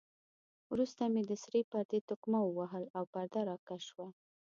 وروسته مې د سرې پردې تقمه ووهل او پرده را کش شوه.